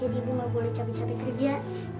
jadi ibu enggak boleh capek capek kerja